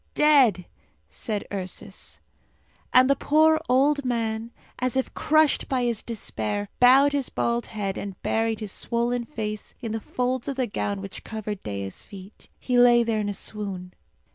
"Dead!" said Ursus. And the poor old man, as if crushed by his despair, bowed his bald head and buried his swollen face in the folds of the gown which covered Dea's feet. He lay there in a swoon.